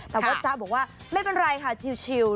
แต่ว่าจ๊ะบอกว่าไม่เป็นไรค่ะชิล